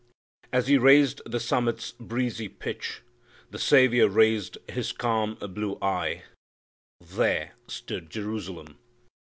As He reached The summit's breezy pitch, the Saviour raised His calm blue eye there stood Jerusalem!